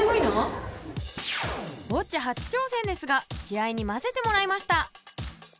ボッチャ初挑戦ですが試合にまぜてもらいました！